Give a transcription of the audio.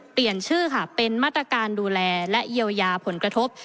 เปลี่ยนชื่อค่ะเป็นมาตรการดูแลและเยียวยาผลกระทบ